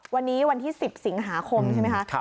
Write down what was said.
วันนี้วันที่๑๐สิงหาคมใช่ไหมคะ